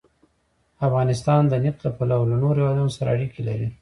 افغانستان د نفت له پلوه له نورو هېوادونو سره اړیکې لري.